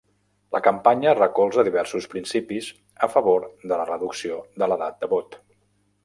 La campanya recolza diversos principis a favor de la reducció de l'edat de vot.